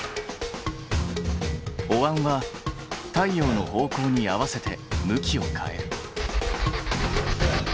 おわんは太陽の方向に合わせて向きを変える。